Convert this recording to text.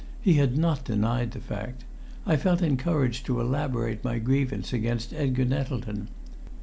He had not denied the fact. I felt encouraged to elaborate my grievance against Edgar Nettleton.